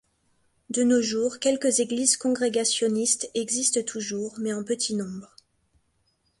De nos jours quelques églises congrégationalistes existent toujours, mais en petit nombre.